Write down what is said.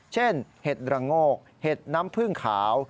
เห็ดระโงกเห็ดน้ำผึ้งขาว